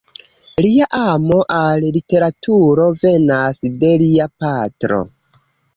Lia amo al literaturo venas de lia patro.